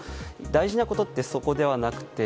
大事なことって、そこではなくて